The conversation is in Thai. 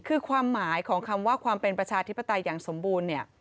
คือความหมายของคำว่าความเป็นประชาธิปไตยอย่างสมบูรณ์เนี่ย